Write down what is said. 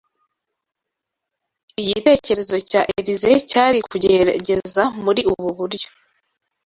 Igitekerezo cya Elyse cyari kugerageza muri ubu buryo.